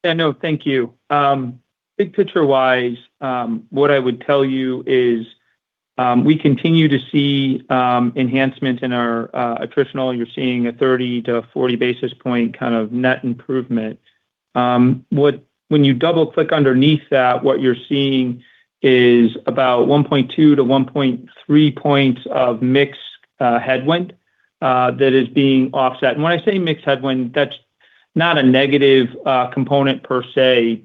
Yeah, no, thank you. Big picture-wise, what I would tell you is, we continue to see enhancement in our attritional. You're seeing a 30-40 basis point kind of net improvement. When you double-click underneath that, what you're seeing is about 1.2-1.3 points of mix headwind that is being offset. When I say mix headwind, that's not a negative component per se.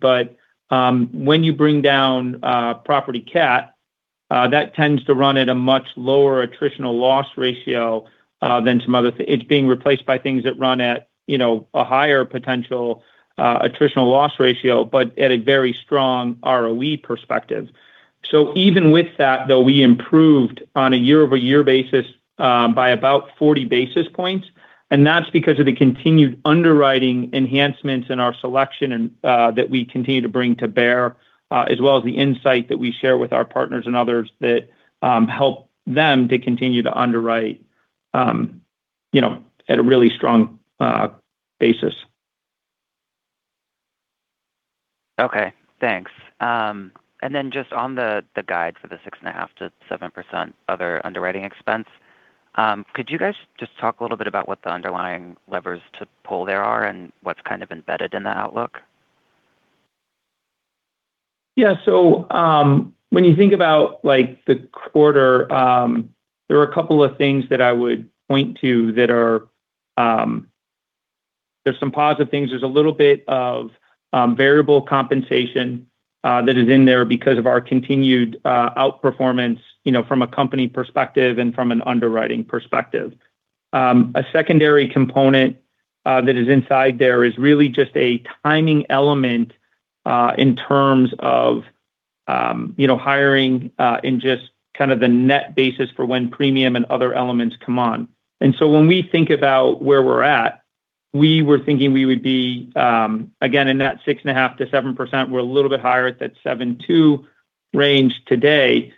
When you bring down property cat, that tends to run at a much lower attritional loss ratio than some other It's being replaced by things that run at, you know, a higher potential attritional loss ratio, but at a very strong ROE perspective. Even with that, though, we improved on a year-over-year basis, by about 40 basis points, and that's because of the continued underwriting enhancements in our selection and that we continue to bring to bear, as well as the insight that we share with our partners and others that help them to continue to underwrite, you know, at a really strong basis. Okay, thanks. Just on the guide for the 6.5%-7% other underwriting expense, could you guys just talk a little bit about what the underlying levers to pull there are and what's kind of embedded in the outlook? Yeah. When you think about, like, the quarter, there are a couple of things that I would point to. There's some positive things. There's a little bit of variable compensation that is in there because of our continued outperformance, you know, from a company perspective and from an underwriting perspective. A secondary component that is inside there is really just a timing element in terms of, you know, hiring and just kind of the net basis for when premium and other elements come on. When we think about where we're at, we were thinking we would be again in that 6.5%-7%. We're a little bit higher at that 7.2% range today.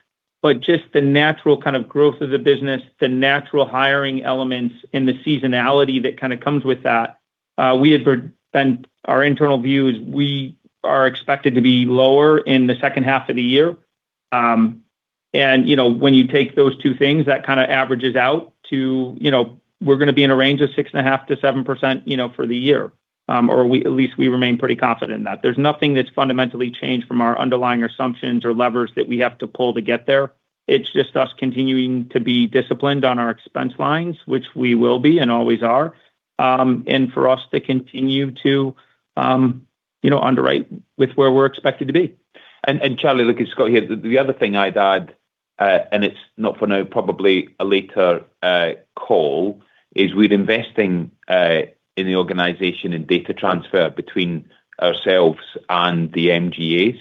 Just the natural kind of growth of the business, the natural hiring elements and the seasonality that kind of comes with that, our internal view is we are expected to be lower in the second half of the year. You know, when you take those two things, that kind of averages out to, you know, we're going to be in a range of 6.5%-7% for the year. At least we remain pretty confident in that. There's nothing that's fundamentally changed from our underlying assumptions or levers that we have to pull to get there. It's just us continuing to be disciplined on our expense lines, which we will be and always are, and for us to continue to, you know, underwrite with where we're expected to be. Charlie, look, it's Scott here. The other thing I'd add, and it's not for now, probably a later call, is we're investing in the organization and data transfer between ourselves and the MGAs.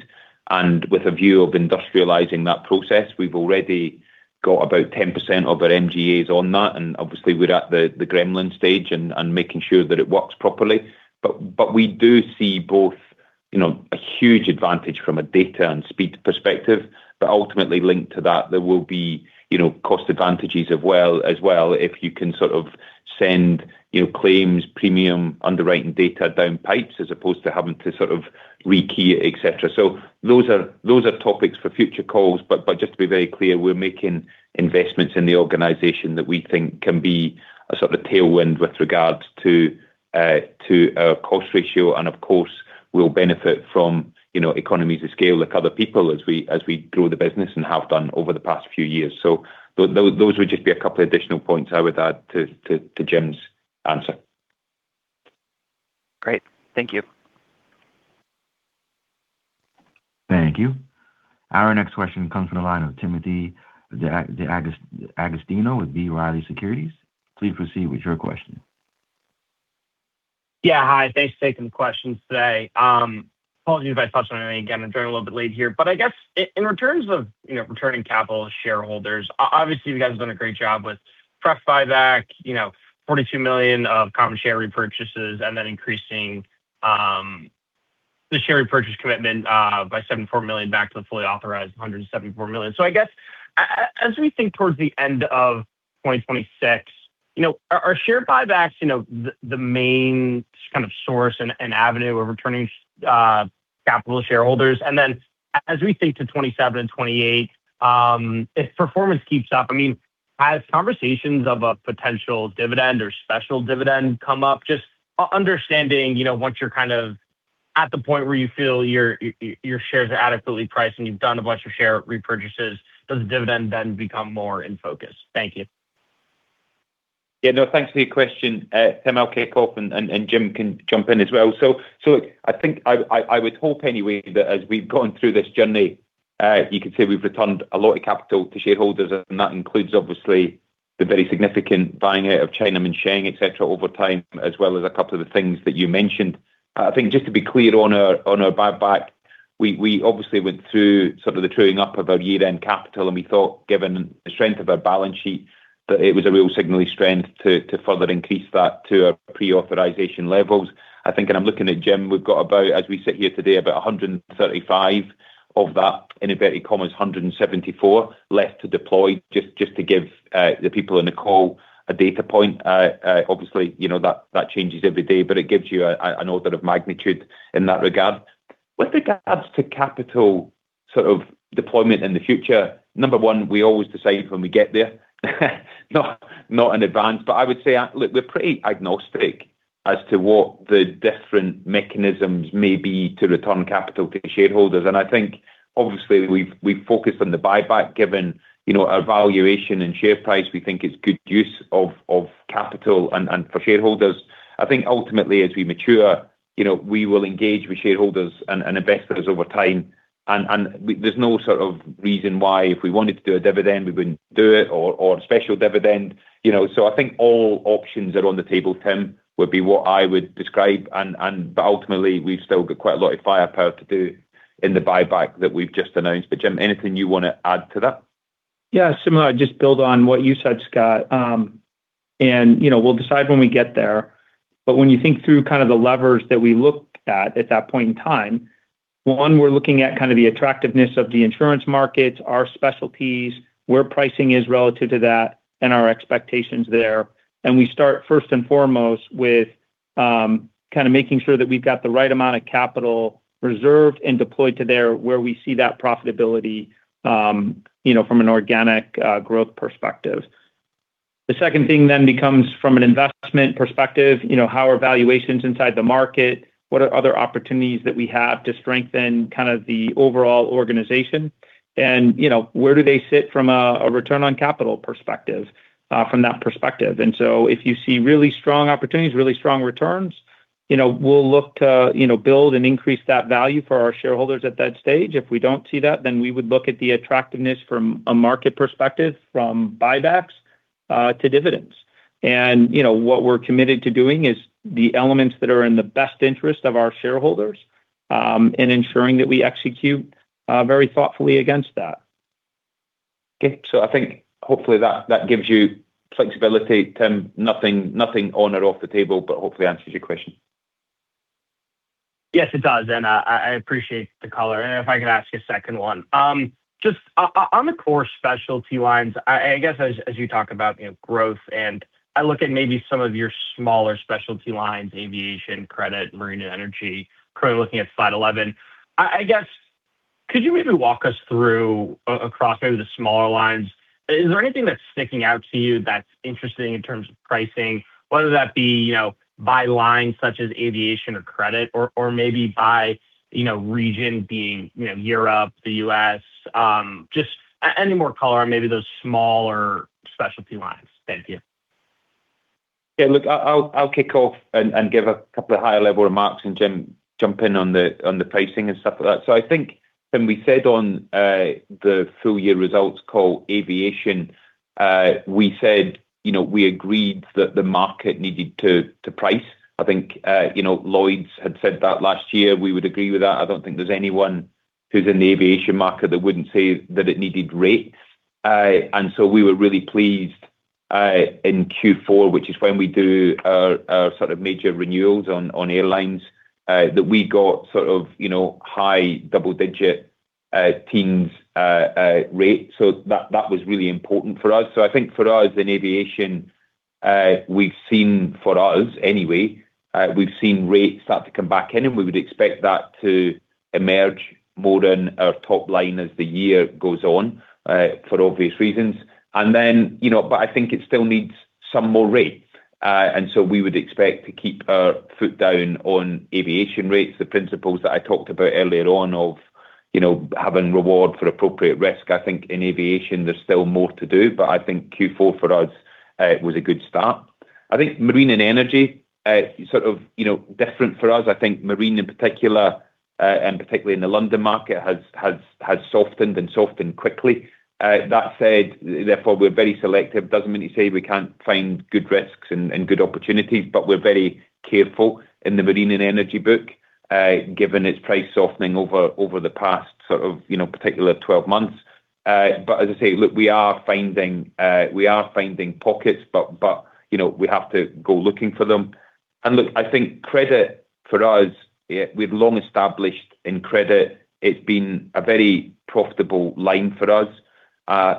With a view of industrializing that process, we've already got about 10% of our MGAs on that, and obviously we're at the gremlin stage and making sure that it works properly. We do see both, you know, a huge advantage from a data and speed perspective. Ultimately linked to that, there will be, you know, cost advantages as well if you can sort of send, you know, claims, premium, underwriting data down pipes as opposed to having to sort of rekey it, et cetera. Those are topics for future calls. Just to be very clear, we're making investments in the organization that we think can be a sort of a tailwind with regards to our cost ratio, and of course, will benefit from, you know, economies of scale like other people as we grow the business and have done over the past few years. Those would just be a couple additional points I would add to Jim's answer. Great. Thank you. Thank you. Our next question comes from the line of Timothy D'Agostino with B. Riley Securities. Please proceed with your question. Yeah. Hi. Thanks for taking the questions today. Apologies if I stutter on any again. I'm joining a little bit late here. I guess in terms of, you know, returning capital to shareholders, obviously you guys have done a great job with pref buyback, you know, $42 million of common share repurchases and then increasing the share repurchase commitment by $74 million back to the fully authorized $174 million. I guess as we think towards the end of 2026, you know, are share buybacks, you know, the main kind of source and avenue of returning capital to shareholders? As we think to 2027 and 2028, if performance keeps up, I mean, have conversations of a potential dividend or special dividend come up? Just understanding, you know, once you're kind of at the point where you feel your shares are adequately priced and you've done a bunch of share repurchases, does the dividend then become more in focus? Thank you. No, thanks for your question, Tim. I'll kick off and Jim can jump in as well. Look, I think I would hope anyway that as we've gone through this journey, you could say we've returned a lot of capital to shareholders, and that includes obviously the very significant buying out of China Minsheng, et cetera, over time, as well as a couple of the things that you mentioned. I think just to be clear on our buyback. We obviously went through sort of the truing up of our year-end capital, and we thought given the strength of our balance sheet, that it was a real signal of strength to further increase that to our pre-authorization levels. I think, and I'm looking at Jim, we've got about, as we sit here today, about 135 of that, in inverted commas, 174 left to deploy, just to give the people in the call a data point. Obviously, you know, that changes every day, but it gives you an order of magnitude in that regard. With regards to capital sort of deployment in the future, number 1, we always decide when we get there, not in advance. I would say look, we're pretty agnostic as to what the different mechanisms may be to return capital to shareholders. I think obviously we've focused on the buyback, given, you know, our valuation and share price. We think it's good use of capital and for shareholders. I think ultimately as we mature, you know, we will engage with shareholders and investors over time. There's no sort of reason why if we wanted to do a dividend, we wouldn't do it or a special dividend, you know. I think all options are on the table, Tim, would be what I would describe. Ultimately, we've still got quite a lot of firepower to do in the buyback that we've just announced. Jim, anything you wanna add to that? Yeah. Similar, just build on what you said, Scott. You know, we'll decide when we get there. When you think through kind of the levers that we looked at that point in time, one, we're looking at kind of the attractiveness of the insurance markets, our specialties, where pricing is relative to that and our expectations there. We start first and foremost with kind of making sure that we've got the right amount of capital reserved and deployed to there, where we see that profitability, you know, from an organic growth perspective. The second thing then becomes from an investment perspective, you know, how are valuations inside the market? What are other opportunities that we have to strengthen kind of the overall organization? You know, where do they sit from a return on capital perspective from that perspective. If you see really strong opportunities, really strong returns, you know, we'll look to, you know, build and increase that value for our shareholders at that stage. If we don't see that, then we would look at the attractiveness from a market perspective, from buybacks, to dividends. You know, what we're committed to doing is the elements that are in the best interest of our shareholders, and ensuring that we execute very thoughtfully against that. I think hopefully that gives you flexibility, Tim. Nothing on or off the table, but hopefully answers your question. Yes, it does. I appreciate the color. If I could ask a second one. Just on the core specialty lines, I guess as you talk about, you know, growth and I look at maybe some of your smaller specialty lines, aviation, credit, marine and energy, kind of looking at slide 11. I guess could you maybe walk us through across maybe the smaller lines? Is there anything that's sticking out to you that's interesting in terms of pricing, whether that be, you know, by line such as aviation or credit or maybe by, you know, region being, you know, Europe, the U.S.? Just any more color on maybe those smaller specialty lines. Thank you. Yeah. Look, I'll kick off and give a couple of higher level remarks and Jim jump in on the pricing and stuff like that. I think when we said on the full year results call aviation, we said, you know, we agreed that the market needed to price. I think, you know, Lloyd's had said that last year. We would agree with that. I don't think there's anyone who's in the aviation market that wouldn't say that it needed rates. We were really pleased in Q4, which is when we do our sort of major renewals on airlines, that we got sort of, you know, high double digit teens rate. That was really important for us. I think for us in aviation, we've seen for us anyway, we've seen rates start to come back in, and we would expect that to emerge more in our top line as the year goes on, for obvious reasons. You know, but I think it still needs some more rate. We would expect to keep our foot down on aviation rates. The principles that I talked about earlier on of, you know, having reward for appropriate risk. I think in aviation there's still more to do, but I think Q4 for us was a good start. I think marine and energy, sort of, you know, different for us. I think marine in particular, and particularly in the London market, has softened and softened quickly. That said, therefore we're very selective. Doesn't mean to say we can't find good risks and good opportunities, but we're very careful in the marine and energy book, given its price softening over the past sort of, you know, particular 12 months. As I say, look, we are finding pockets, but you know, we have to go looking for them. Look, I think credit for us, we've long established in credit, it's been a very profitable line for us.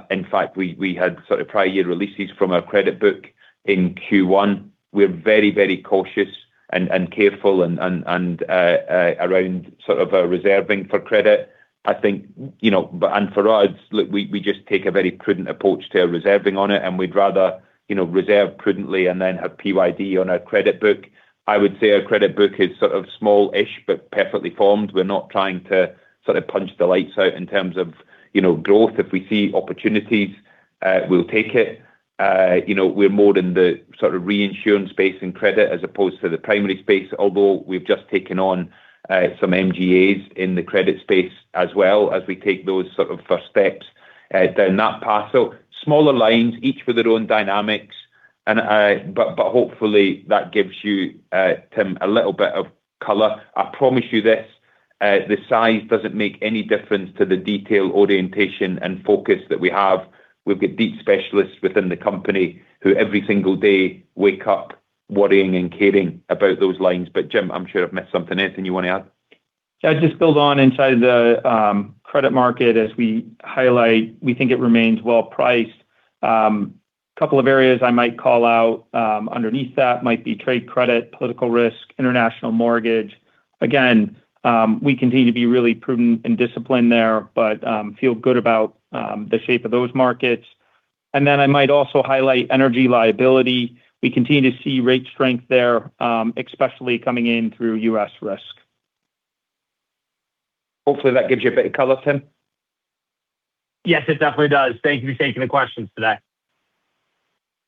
In fact, we had sort of prior year releases from our credit book in Q1. We're very cautious and careful and around sort of our reserving for credit. I think, you know, for us, look, we just take a very prudent approach to our reserving on it, and we'd rather, you know, reserve prudently and then have PYD on our credit book. I would say our credit book is sort of small-ish, perfectly formed. We're not trying to sort of punch the lights out in terms of, you know, growth. If we see opportunities, we'll take it. You know, we're more in the sort of reinsurance space in credit as opposed to the primary space. Although we've just taken on some MGAs in the credit space as well, as we take those sort of first steps down that path. Smaller lines, each with their own dynamics. Hopefully that gives you, Tim, a little bit of color. I promise you this, the size doesn't make any difference to the detail orientation and focus that we have. We've got deep specialists within the company who every single day wake up worrying and caring about those lines. Jim, I'm sure I've missed something else. Anything you wanna add? Just build on inside the credit market as we highlight, we think it remains well-priced. Couple of areas I might call out underneath that might be trade credit, political risk, international mortgage. Again, we continue to be really prudent and disciplined there, but feel good about the shape of those markets. I might also highlight energy liability. We continue to see rate strength there, especially coming in through U.S. risk. Hopefully that gives you a bit of color, Tim. Yes, it definitely does. Thank you for taking the questions today.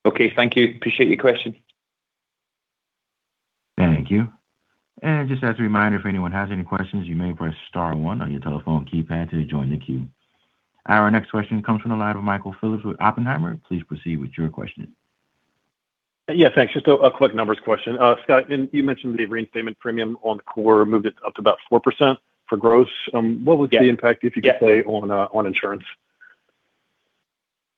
Okay. Thank you. Appreciate your question. Thank you. Just as a reminder, if anyone has any questions, you may press star one on your telephone keypad to join the queue. Our next question comes from the line of Michael Phillips with Oppenheimer. Please proceed with your question. Yeah, thanks. Just a quick numbers question. Scott, when you mentioned the repayment premium on core moved it up to about 4% for gross. What would the impact? Yeah. if you could say on insurance?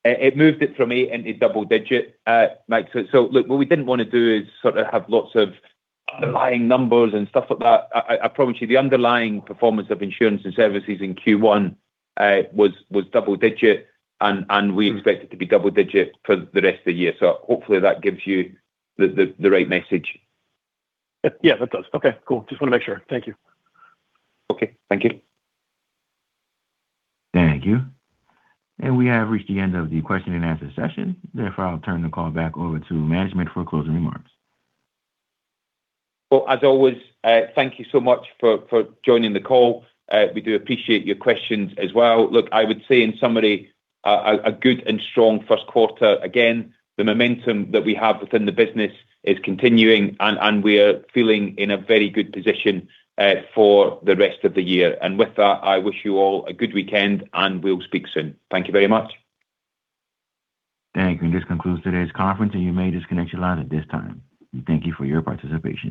It moved it from a into double-digit. Mike, look, what we didn't wanna do is sort of have lots of underlying numbers and stuff like that. I promise you the underlying performance of insurance and services in Q1, was double-digit and we expect it to be double-digit for the rest of the year. Hopefully that gives you the right message. Yeah, that does. Okay, cool. Just wanna make sure. Thank you. Okay. Thank you. Thank you. We have reached the end of the question and answer session. Therefore, I'll turn the call back over to management for closing remarks. Well, as always, thank you so much for joining the call. We do appreciate your questions as well. Look, I would say in summary, a good and strong first quarter. Again, the momentum that we have within the business is continuing and we are feeling in a very good position for the rest of the year. With that, I wish you all a good weekend, and we'll speak soon. Thank you very much. Thank you. This concludes today's conference, and you may disconnect your line at this time. Thank you for your participation.